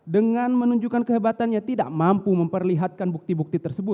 dengan menunjukkan kehebatannya tidak mampu memperlihatkan bukti bukti tersebut